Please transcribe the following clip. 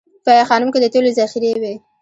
په ای خانم کې د تیلو ذخیرې وې